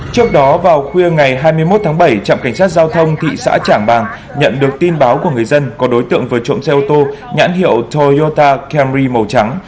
trước đó vào khuya ngày hai mươi một tháng bảy trạm cảnh sát giao thông thị xã trảng bàng nhận được tin báo của người dân có đối tượng vừa trộm xe ô tô nhãn hiệu toyota camry màu trắng